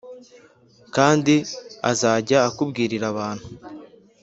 Kandi azajya akubwirira abantu